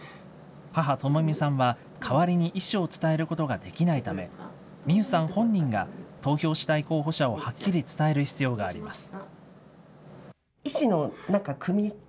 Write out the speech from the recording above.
母、智美さんは代わりに意思を伝えることができないため、美優さん本人が、投票したい候補者をはっきり伝える必要があります。